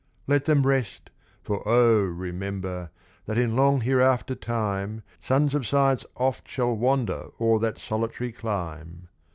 Let them rest, for oh! remember, that in long hereafter time Sons of Science oft shall wander o'er that solitary clime!